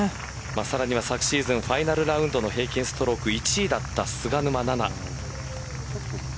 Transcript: さらには昨シーズンファイナルラウンドの平均ストローク１位だった菅沼菜々。